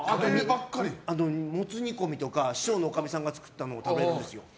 モツ煮込みとか師匠のおかみさんが作ったのを食べるんですよ。